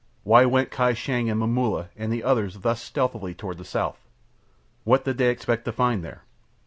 Why went Kai Shang and Momulla and the others thus stealthily toward the south? What did they expect to find there?